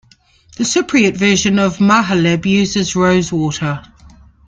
The Cypriot version of mahaleb uses rosewater.